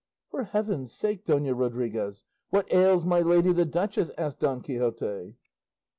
"For heaven's sake, Dona Rodriguez, what ails my lady the duchess?" asked Don Quixote.